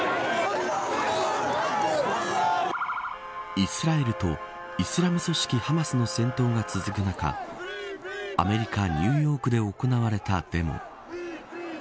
イスラエルとイスラム組織ハマスの戦闘が続く中アメリカ・ニューヨークで行われたデモ。